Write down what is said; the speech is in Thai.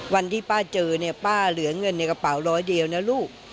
วันที่ป้าเจอเนี่ยป้าเหลือเงินในกระเป๋าร้อยเดียวนะลูก